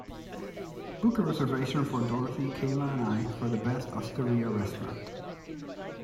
Book a reservation for dorothy, kayla and I for the best osteria restaurant